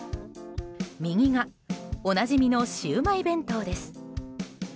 右がおなじみのシウマイ弁当です。